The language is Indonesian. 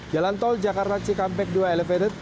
jalan tol jakarta cikampek dua elevated